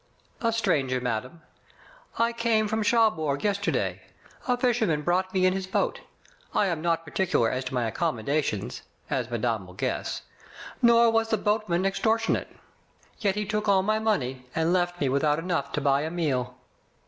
"A stranger, madame. I came from Cherbourg yesterday. A fisherman brought me in his boat. I am not particular as to my accommodation, as madame will guess, nor was the boatman extor tionate. Yet he took all my money, and left me without enough to buy a meal."